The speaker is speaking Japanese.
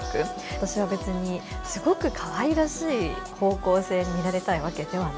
私は別にすごくかわいらしい方向性に見られたいわけではない。